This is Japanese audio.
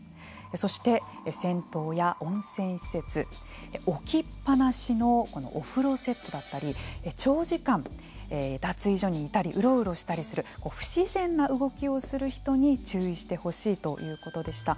そして、銭湯や温泉施設置きっ放しのこのお風呂セットだったり長時間、脱衣所にいたりうろうろしたりする不自然な動きをする人に注意してほしいということでした。